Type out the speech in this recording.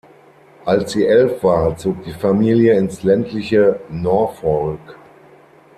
Als sie elf war, zog die Familie ins ländliche Norfolk.